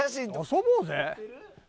遊ぼうぜ。